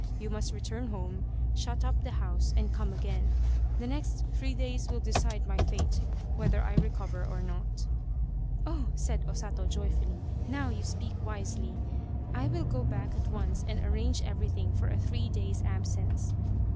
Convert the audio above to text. You must return home, shut up the house and come again. The next three days will decide my fate, whether I recover or not." " Oh," said O Sato, joyfully, " now you speak wisely. I will go back at once and arrange everything for a three days' absence.